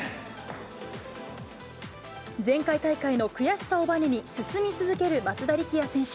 前回大会の悔しさをばねに進み続ける松田力也選手。